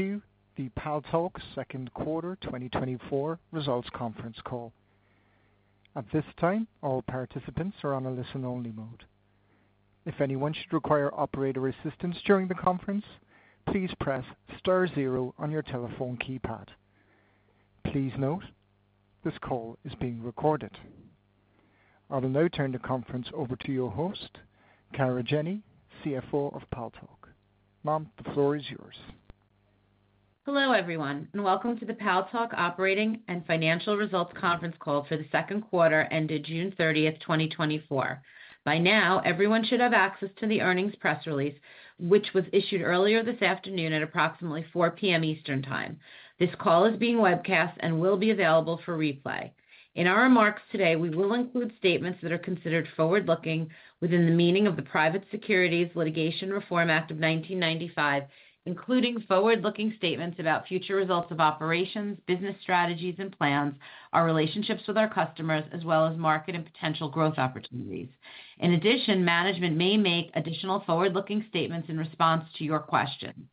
The Paltalk Second Quarter 2024 Results Conference Call. At this time, all participants are on a listen-only mode. If anyone should require operator assistance during the conference, please press star zero on your telephone keypad. Please note, this call is being recorded. I will now turn the conference over to your host, Kara Jenny, CFO of Paltalk. Ma'am, the floor is yours. Hello, everyone, and welcome to the Paltalk Operating and Financial Results Conference Call for the second quarter ended June 30, 2024. By now, everyone should have access to the earnings press release, which was issued earlier this afternoon at approximately 4 P.M. Eastern Time. This call is being webcast and will be available for replay. In our remarks today, we will include statements that are considered forward-looking within the meaning of the Private Securities Litigation Reform Act of 1995, including forward-looking statements about future results of operations, business strategies and plans, our relationships with our customers, as well as market and potential growth opportunities. In addition, management may make additional forward-looking statements in response to your question.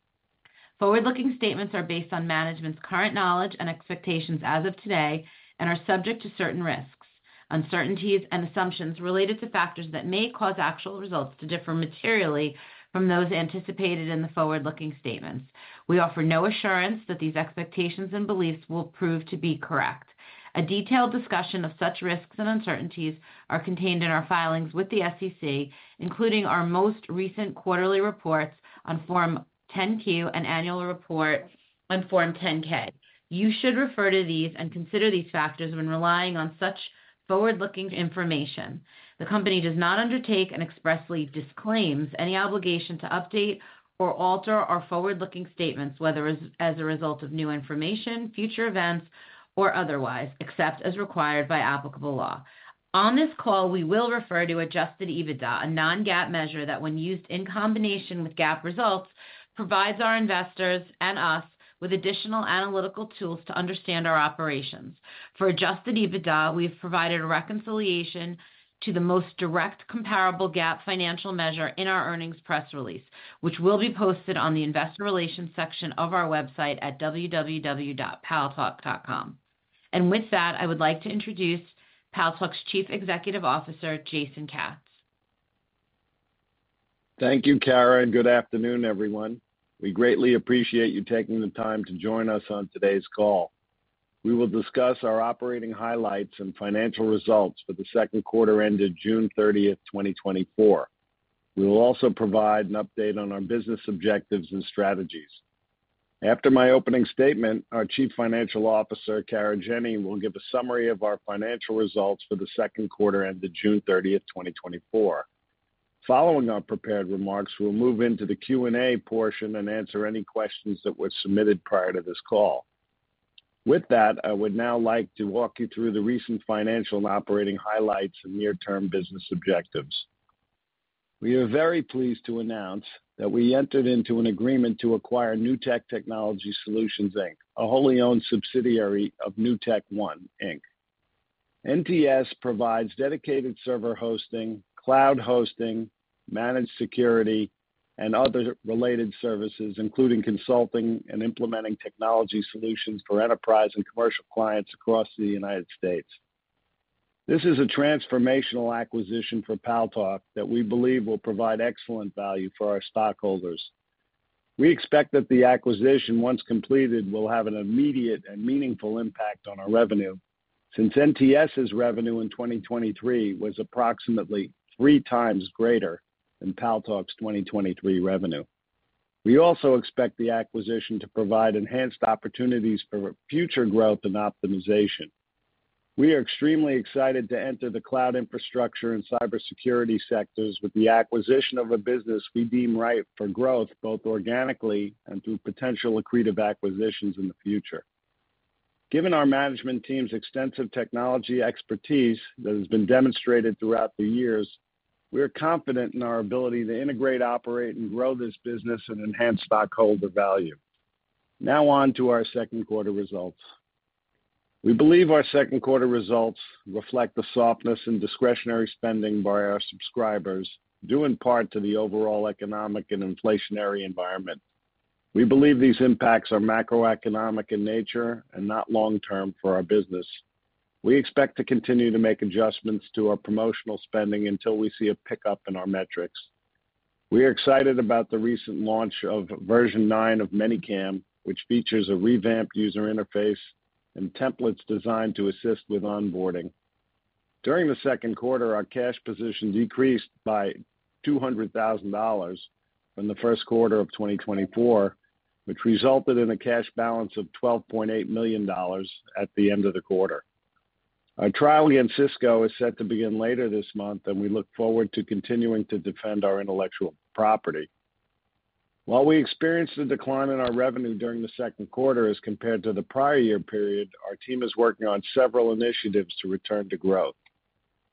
Forward-looking statements are based on management's current knowledge and expectations as of today and are subject to certain risks, uncertainties and assumptions related to factors that may cause actual results to differ materially from those anticipated in the forward-looking statements. We offer no assurance that these expectations and beliefs will prove to be correct. A detailed discussion of such risks and uncertainties are contained in our filings with the SEC, including our most recent quarterly reports on Form 10-Q and annual report on Form 10-K. You should refer to these and consider these factors when relying on such forward-looking information. The company does not undertake and expressly disclaims any obligation to update or alter our forward-looking statements, whether as, as a result of new information, future events, or otherwise, except as required by applicable law. On this call, we will refer to adjusted EBITDA, a non-GAAP measure that, when used in combination with GAAP results, provides our investors and us with additional analytical tools to understand our operations. For adjusted EBITDA, we have provided a reconciliation to the most direct comparable GAAP financial measure in our earnings press release, which will be posted on the investor relations section of our website at www.paltalk.com. With that, I would like to introduce Paltalk's Chief Executive Officer, Jason Katz. Thank you, Kara, and good afternoon, everyone. We greatly appreciate you taking the time to join us on today's call. We will discuss our operating highlights and financial results for the second quarter ended June 30, 2024. We will also provide an update on our business objectives and strategies. After my opening statement, our Chief Financial Officer, Kara Jenny, will give a summary of our financial results for the second quarter ended June 30, 2024. Following our prepared remarks, we'll move into the Q&A portion and answer any questions that were submitted prior to this call. With that, I would now like to walk you through the recent financial and operating highlights and near-term business objectives. We are very pleased to announce that we entered into an agreement to acquire Newtek Technology Solutions, Inc., a wholly owned subsidiary of NewtekOne, Inc. NTS provides dedicated server hosting, cloud hosting, managed security, and other related services, including consulting and implementing technology solutions for enterprise and commercial clients across the United States. This is a transformational acquisition for Paltalk that we believe will provide excellent value for our stockholders. We expect that the acquisition, once completed, will have an immediate and meaningful impact on our revenue, since NTS's revenue in 2023 was approximately 3x greater than Paltalk's 2023 revenue. We also expect the acquisition to provide enhanced opportunities for future growth and optimization. We are extremely excited to enter the cloud infrastructure and cybersecurity sectors with the acquisition of a business we deem ripe for growth, both organically and through potential accretive acquisitions in the future. Given our management team's extensive technology expertise that has been demonstrated throughout the years, we are confident in our ability to integrate, operate, and grow this business and enhance stockholder value. Now on to our second quarter results. We believe our second quarter results reflect the softness in discretionary spending by our subscribers, due in part to the overall economic and inflationary environment. We believe these impacts are macroeconomic in nature and not long-term for our business. We expect to continue to make adjustments to our promotional spending until we see a pickup in our metrics. We are excited about the recent launch of Version 9 of ManyCam, which features a revamped user interface and templates designed to assist with onboarding. During the second quarter, our cash position decreased by $200,000 from the first quarter of 2024, which resulted in a cash balance of $12.8 million at the end of the quarter. Our trial against Cisco is set to begin later this month, and we look forward to continuing to defend our intellectual property. While we experienced a decline in our revenue during the second quarter as compared to the prior year period, our team is working on several initiatives to return to growth.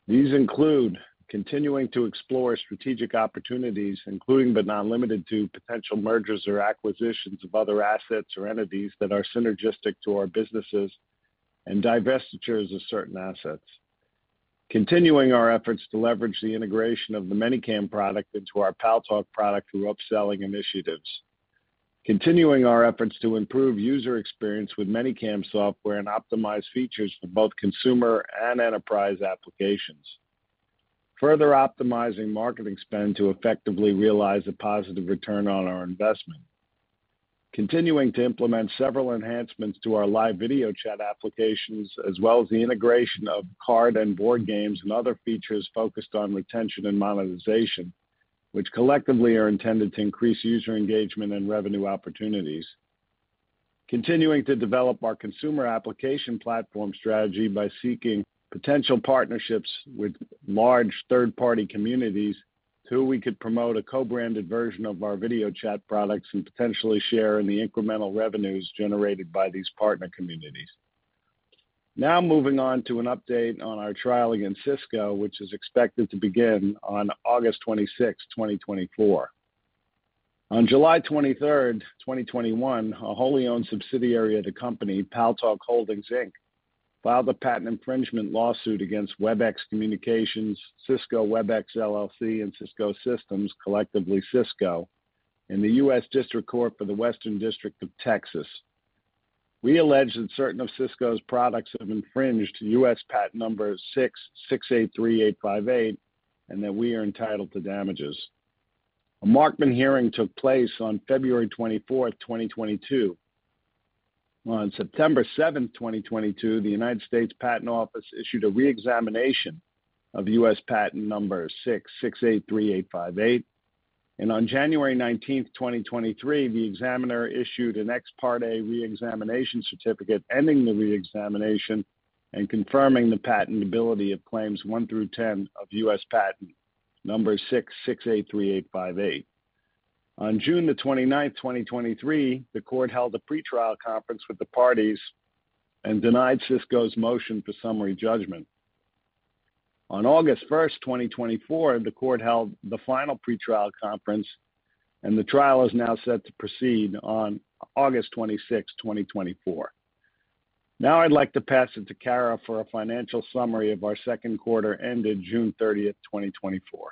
These include continuing to explore strategic opportunities, including but not limited to, potential mergers or acquisitions of other assets or entities that are synergistic to our businesses and divestitures of certain assets. Continuing our efforts to leverage the integration of the ManyCam product into our Paltalk product through upselling initiatives. Continuing our efforts to improve user experience with ManyCam software and optimize features for both consumer and enterprise applications. Further optimizing marketing spend to effectively realize a positive return on our investment. Continuing to implement several enhancements to our live video chat applications, as well as the integration of card and board games and other features focused on retention and monetization, which collectively are intended to increase user engagement and revenue opportunities. Continuing to develop our consumer application platform strategy by seeking potential partnerships with large third-party communities, who we could promote a co-branded version of our video chat products and potentially share in the incremental revenues generated by these partner communities. Now moving on to an update on our trial against Cisco, which is expected to begin on August 26th, 2024. On July 23, 2021, a wholly owned subsidiary of the company, Paltalk Holdings, Inc., filed a patent infringement lawsuit against WebEx Communications, Cisco WebEx, LLC, and Cisco Systems, collectively Cisco, in the U.S. District Court for the Western District of Texas. We allege that certain of Cisco's products have infringed U.S. Patent No. 6683858, and that we are entitled to damages. A Markman hearing took place on February 24, 2022. On September 7, 2022, the United States Patent Office issued a reexamination of U.S. Patent No. 6683858, and on January 19, 2023, the examiner issued an ex parte reexamination certificate, ending the reexamination and confirming the patentability of claims one through 10 of U.S. Patent No. 6683858. On June 29, 2023, the court held a pretrial conference with the parties and denied Cisco's motion for summary judgment. On August 1, 2024, the court held the final pretrial conference, and the trial is now set to proceed on August 26, 2024. Now I'd like to pass it to Kara for a financial summary of our second quarter ended June 30, 2024.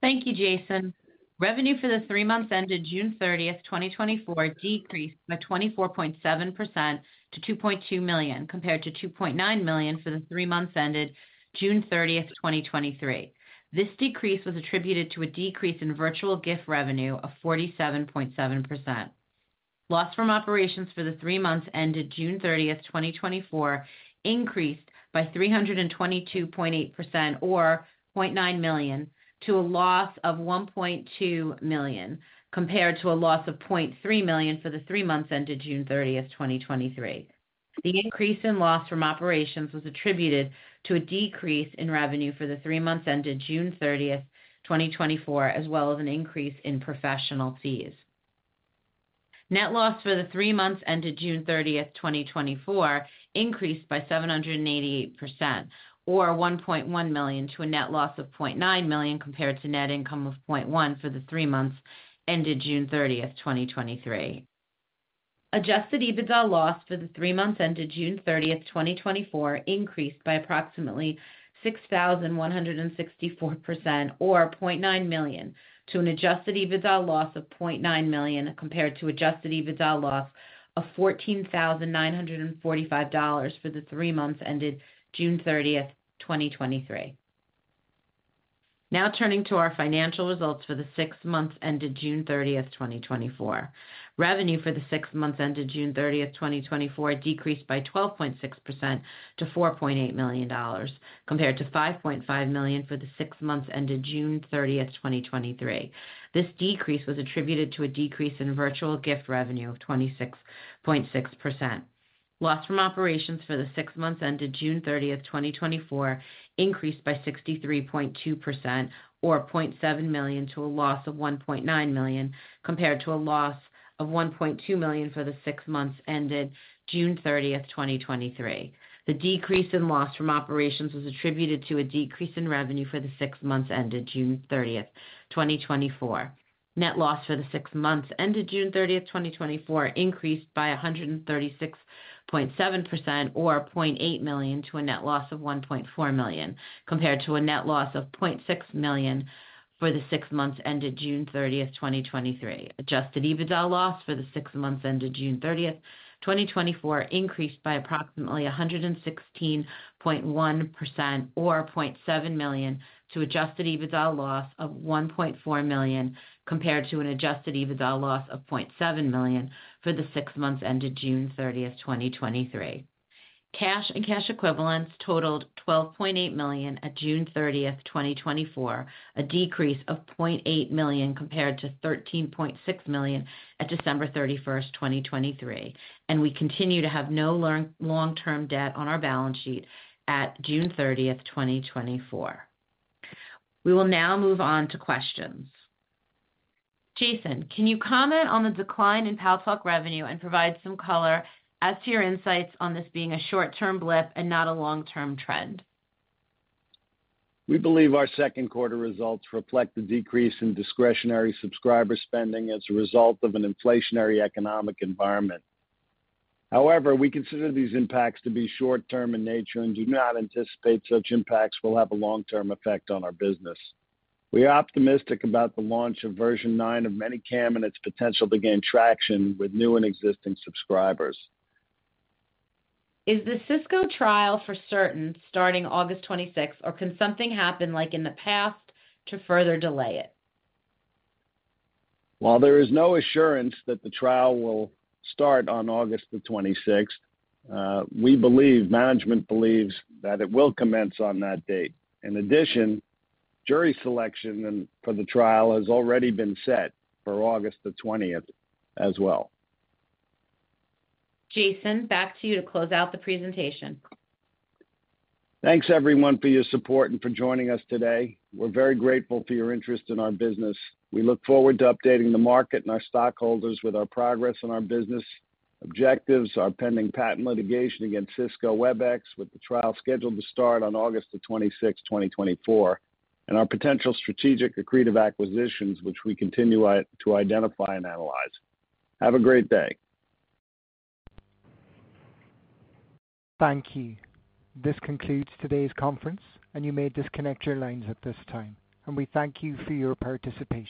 Thank you, Jason. Revenue for the three months ended June 30, 2024, decreased by 24.7% to $2.2 million, compared to $2.9 million for the three months ended June 30, 2023. This decrease was attributed to a decrease in virtual gift revenue of 47.7%. Loss from operations for the three months ended June 30, 2024, increased by 322.8% or $0.9 million, to a loss of $1.2 million, compared to a loss of $0.3 million for the three months ended June 30, 2023. The increase in loss from operations was attributed to a decrease in revenue for the three months ended June 30, 2024, as well as an increase in professional fees. Net loss for the three months ended June 30, 2024, increased by 788% or $1.1 million, to a net loss of $0.9 million, compared to net income of $0.1 million for the three months ended June 30, 2023. Adjusted EBITDA loss for the three months ended June 30, 2024, increased by approximately 6,164% or $0.9 million, to an adjusted EBITDA loss of $0.9 million, compared to adjusted EBITDA loss of $14,945 for the three months ended June 30, 2023. Now turning to our financial results for the six months ended June 30, 2024. Revenue for the six months ended June 30, 2024, decreased by 12.6% to $4.8 million, compared to $5.5 million for the six months ended June 30, 2023. This decrease was attributed to a decrease in virtual gift revenue of 26.6%. Loss from operations for the six months ended June 30, 2024, increased by 63.2% or $0.7 million, to a loss of $1.9 million, compared to a loss of $1.2 million for the six months ended June 30, 2023. The decrease in loss from operations was attributed to a decrease in revenue for the six months ended June 30, 2024. Net loss for the six months ended June 30, 2024, increased by 136.7% or $0.8 million, to a net loss of $1.4 million, compared to a net loss of $0.6 million for the six months ended June 30, 2023. Adjusted EBITDA loss for the six months ended June 30, 2024, increased by approximately 116.1% or $0.7 million, to adjusted EBITDA loss of $1.4 million, compared to an adjusted EBITDA loss of $0.7 million for the six months ended June 30, 2023. Cash and cash equivalents totaled $12.8 million at June 30, 2024, a decrease of $0.8 million, compared to $13.6 million at December 31, 2023, and we continue to have no long-term debt on our balance sheet at June 30, 2024.We will now move on to questions. Jason, can you comment on the decline in Paltalk revenue and provide some color as to your insights on this being a short-term blip and not a long-term trend? We believe our second quarter results reflect the decrease in discretionary subscriber spending as a result of an inflationary economic environment. However, we consider these impacts to be short term in nature and do not anticipate such impacts will have a long-term effect on our business. We are optimistic about the launch of Version 9 of ManyCam and its potential to gain traction with new and existing subscribers. Is the Cisco trial for certain starting August 26, or can something happen, like in the past, to further delay it? While there is no assurance that the trial will start on August the 26, we believe, management believes, that it will commence on that date. In addition, jury selection for the trial has already been set for August 20, as well. Jason, back to you to close out the presentation. Thanks, everyone, for your support and for joining us today. We're very grateful for your interest in our business. We look forward to updating the market and our stockholders with our progress on our business objectives, our pending patent litigation against Cisco WebEx, with the trial scheduled to start on August 26, 2024, and our potential strategic accretive acquisitions, which we continue to identify and analyze. Have a great day. Thank you. This concludes today's conference, and you may disconnect your lines at this time, and we thank you for your participation.